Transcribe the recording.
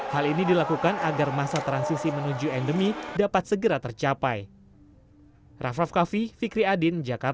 hal ini dilakukan agar masa transisi menuju endemi dapat segera tercapai